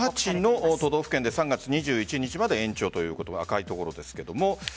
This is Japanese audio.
１８の都道府県で３月２１日まで延長ということが赤いところですが。